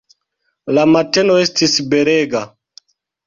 La mateno estis belega.